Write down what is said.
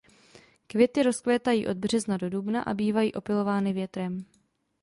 Květy rozkvétají od března do dubna a bývají opylovány větrem.